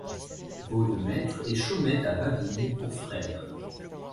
Vaut de Maistre, et Chaumette a Bâville pour frère ;